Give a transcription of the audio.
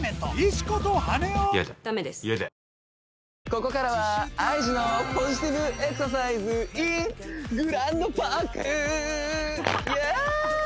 ここからはＩＧのポジティブエクササイズｉｎグランドパークイエース！